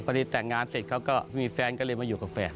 แต่งงานเสร็จเขาก็มีแฟนก็เลยมาอยู่กับแฟน